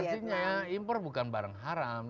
artinya impor bukan barang haram